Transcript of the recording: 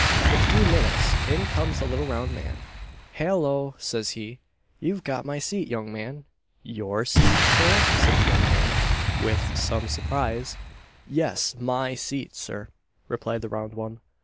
In a few minutes in comes the little round man "Hallo!" says he, "you've got my seat, young man." "Your seat, Sir?" said the young man, with some surprise. "Yes, my seat, Sir," replied the round one.